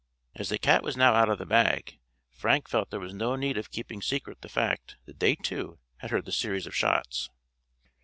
As the cat was now out of the bag, Frank felt there was no need of keeping secret the fact that they, too, had heard the series of shots.